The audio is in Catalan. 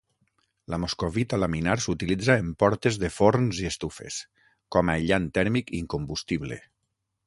La moscovita laminar s'utilitza en portes de forns i estufes, com aïllant tèrmic incombustible.